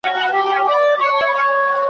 ووایه: فکر کوم تاسره عادت شوی يم.